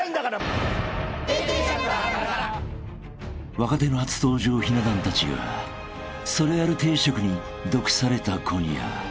［若手の初登場ひな壇たちがそれある定食に毒された今夜］